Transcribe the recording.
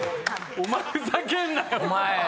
お前ふざけんなよ！